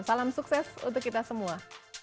salam sukses untuk kita semua